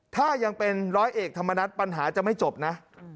ถ้ายังเป็นร้อยเอกธรรมนัฐปัญหาจะไม่จบนะ